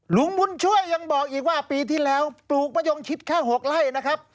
ลุงบุญช่วยยังบอกอีกว่าปีที่แล้วปลูกมะยงชิดแค่๖ไร่นะครับ